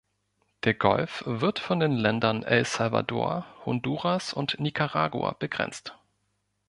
Der Golf wird von den Ländern El Salvador, Honduras und Nicaragua begrenzt.